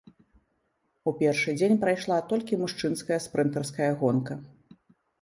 У першы дзень прайшла толькі мужчынская спрынтарская гонка.